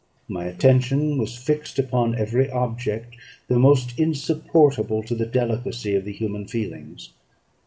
My attention was fixed upon every object the most insupportable to the delicacy of the human feelings.